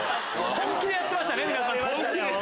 本気でやってましたね皆さん。